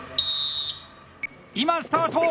今スタート！